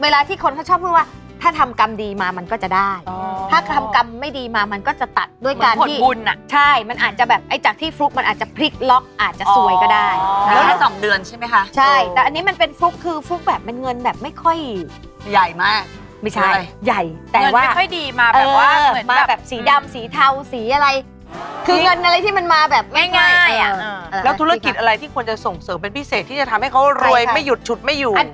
แล้วธุรกิจอะไรที่ควรจะส่งเสริมเป็นพิเศษที่จะทำให้เขารวยไม่หยุดฉุดไม่หยุง